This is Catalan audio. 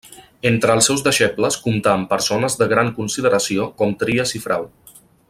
Entre els seus deixebles comptà amb persones de gran consideració com Tries i Frau.